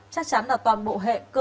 chắc chắn là toàn bộ hệ cơ